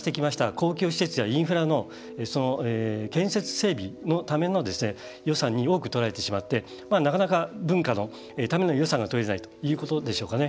恒久施設やインフラの建設整備のために予算に多く取られてしまってなかなか、文化のための予算が取れないということでしょうかね。